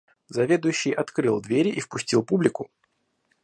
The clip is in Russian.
Заведующий открыл двери и впустил публику.